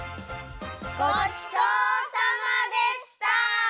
ごちそうさまでした！